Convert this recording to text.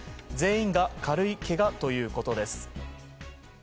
全員が軽いけがということです。